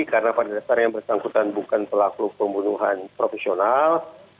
karena pada dasarnya bersangkutan bukan pelaku pembunuhan profesional